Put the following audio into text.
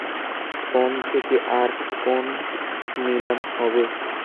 Phone থেকে আর কোন নিলাম হবে?